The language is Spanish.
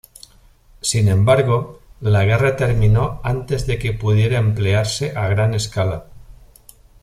Sin embargo, la guerra terminó antes de que pudiera emplearse a gran escala.